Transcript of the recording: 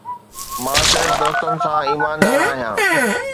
مان صرف دوستن سان ايماندار آهيان